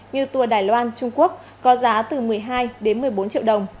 như tour đài loan trung quốc có giá từ một mươi hai đến một mươi bốn triệu đồng